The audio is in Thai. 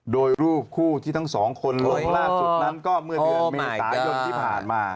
โดยรูปคู่ที่ทั้งสองคนลงล่าสุดนั้นก็เมื่อเดือนเมษายนที่ผ่านมา